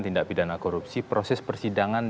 tindak pidana korupsi proses persidangan